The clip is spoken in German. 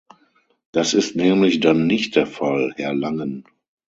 Das ist nämlich dann nicht der Fall, Herr Langen.